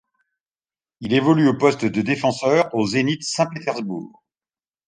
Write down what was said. Il évolue au poste de défenseur au Zénith Saint-Pétersbourg.